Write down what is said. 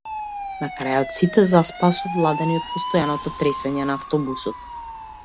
На крајот сите заспаа, совладани од постојаното тресење на автобусот.